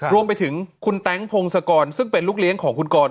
รวมไปถึงคุณแต๊งพงศกรซึ่งเป็นลูกเลี้ยงของคุณกร